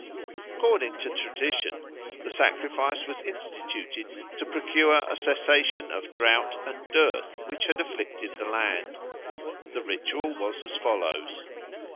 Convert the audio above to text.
According to tradition the sacrifice was instituted to procure a cessation of drought and dearth which had afflicted the land. The ritual was as follows.